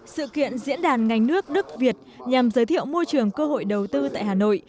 sự kiện diễn đàn ngành nước đức việt nhằm giới thiệu môi trường cơ hội đầu tư tại hà nội